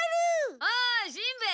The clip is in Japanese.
おしんべヱ。